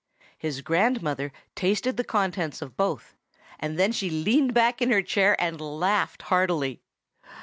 His grandmother tasted the contents of both, and then she leaned back in her chair and laughed heartily.